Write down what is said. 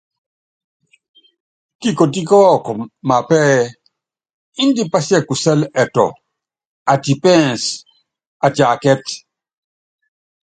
Kikotí kɔɔkɔ mapá ɛ́ɛ́ índɛ pɛsiɛkusɛl ɛtɔ, atipínsɛ́, atiákɛ́t.